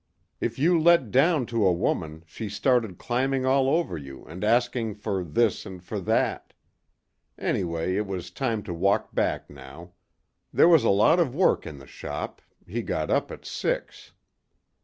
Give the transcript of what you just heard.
If you let down to a woman she started climbing all over you and asking for this and for that. Anyway it was time to walk back now. There was a lot of work in the shop. He got up at six.